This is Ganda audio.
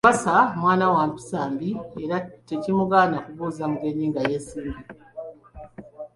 Nambassa mwana wa mpisa mbi era tekimugaana kubuuza mugenyi nga yeesimbye.